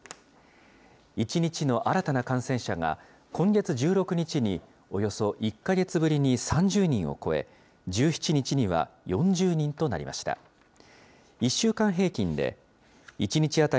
１日の新たな感染者が、今月１６日に、およそ１か月ぶりに３０人を超え、１７日には４０人となりました。